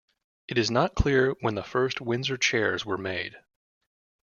It is not clear when the first Windsor Chairs were made.